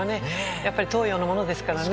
やっぱり東洋のものですからね。